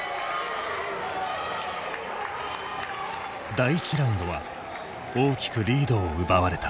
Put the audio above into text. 第１ラウンドは大きくリードを奪われた。